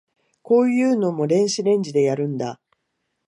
こういうのも電子レンジでやるんだ